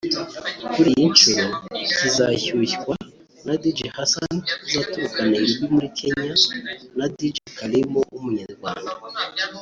Kuri iyi nshuro kizashyushywa na Dj Hassan uzaturuka Nairobi muri Kenya na Dj Kalim w’Umunyarwanda